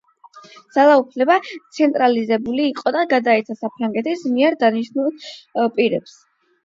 ძალაუფლება ცენტრალიზებული იყო და გადაეცა საფრანგეთის მიერ დანიშნულ პირებს.